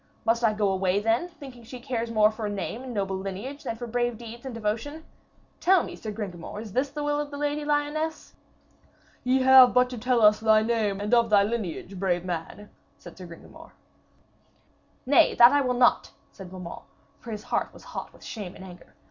Must I go away then, thinking she cares more for a name and noble lineage than for brave deeds and devotion? Tell me, Sir Gringamor, is this the will of the Lady Lyones?' 'Ye have but to tell us thy name and of thy lineage, brave man,' said Sir Gringamor. 'Nay, that I will not!' said Beaumains, for his heart was hot with shame and anger.